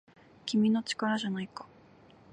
「君の！力じゃないか!!」